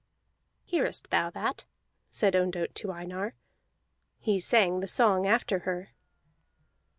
"Hearest thou that?" said Ondott to Einar. He sang the song after her.